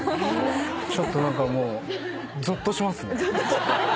ちょっと何かもうゾッとしますね。